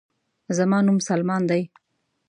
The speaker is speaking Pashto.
زما نوم سلمان دے